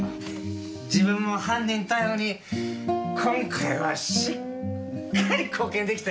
自分も犯人逮捕に今回はしっかり貢献できたでしょ？